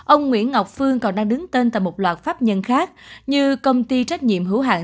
ông nguyễn ngọc phương còn đang đứng tên tại một loạt pháp nhân khác như công ty trách nhiệm hữu hạng